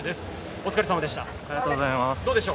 お疲れさまでした。